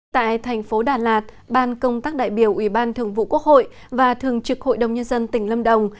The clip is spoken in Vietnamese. tại thành phố đà lạt ban công tác đại biểu ủy ban thường vụ quốc hội và thường trực hội đồng nhân dân tỉnh lâm đồng